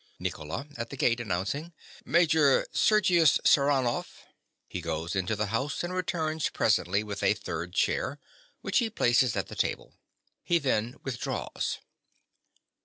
NICOLA. (at the gate, announcing). Major Sergius Saranoff! (_He goes into the house and returns presently with a third chair, which he places at the table. He then withdraws.